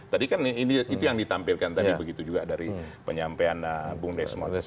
tadi kan itu yang ditampilkan tadi begitu juga dari penyampaian bung desmond